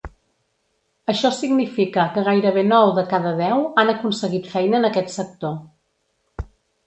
Això significa que gairebé nou de cada deu han aconseguit feina en aquest sector.